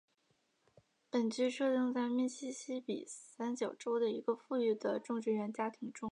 本剧设定在密西西比三角洲的一个富裕的种植园家庭中。